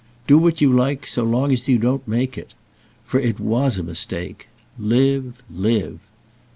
Do what you like so long as you don't make it. For it was a mistake. Live, live!"